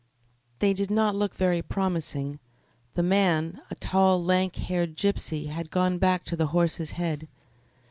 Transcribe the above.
They did not look very promising. The man, a tall, lank haired gypsy, had gone back to the horse's head.